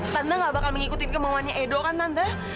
tante gak bakal mengikuti kemauannya edo kan tante